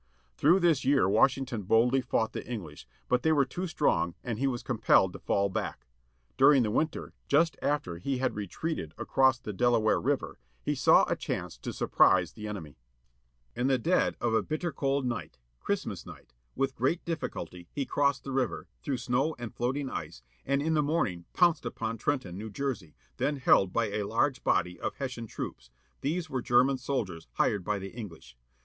Through this year Washington boldly fought the English, but they were too strong, and he was compelled to fall back. During the winter, just after he had retreated across the Delaware River, he saw a j' â¢ chance to surprise the enemy. BATTLE OF BUNKER HILI 24 WASHINGTON CROSSING THE DELAWARE, DECEMBER 25, 1776 In the dead of a bitter cold night â Christmas night â with great difificvilty he crossed the river, through snow and floating ice, and in the morning pounced upon Trenton, New Jersey, then held by a large body of Hessian troops â these were German soldiers hired by the English.